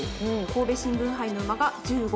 神戸新聞杯の馬が１５頭でした。